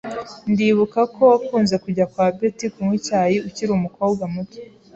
Ndibuka ko wakunze kujya kwa Betty kunywa icyayi ukiri umukobwa muto.